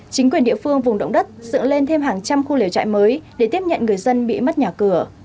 chính quyền địa phương vùng động đất dựng lên thêm hàng trăm khu liều trại mới để tiếp nhận người dân bị mất nhà cửa